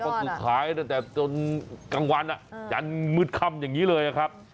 ก็คือขายตั้งแต่จนกลางวันจันทร์มืดค่ำอย่างนี้เลยครับ